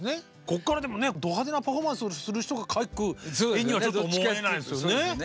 こっからでもねド派手なパフォーマンスをする人が描く絵にはちょっと思えないですよね。